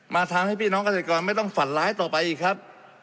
ทำให้พี่น้องเกษตรกรไม่ต้องฝันร้ายต่อไปอีกครับ